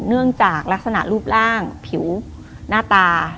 เนื่องจากลักษณะรูปร่างผิวหน้าตา